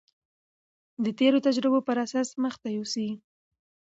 د تېرو تجربو پر اساس مخته يوسي.